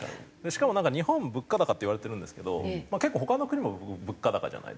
しかもなんか日本物価高っていわれてるんですけど結構他の国も物価高じゃないですか。